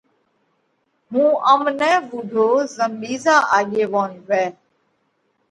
هُون ام نھ وُوڍو زم ٻِيزا آڳيوون وئھ۔